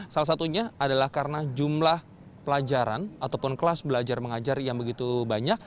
salah satunya adalah karena jumlah pelajaran ataupun kelas belajar mengajar yang begitu banyak